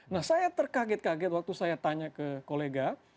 nah saya terkaget kaget waktu saya tanya ke kolega